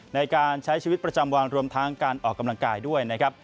ในการใช้ชีวิตประจำวันรวมทั้งการออกกำลังกายด้วยนะครับ